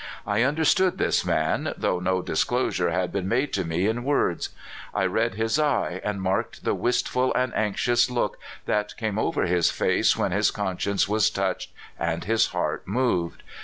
I understood this man, though no disclosure had been made to me in words. I read his eye, and marked the wistful and anxious look that came over his face when his conscience was touched and his heart moved.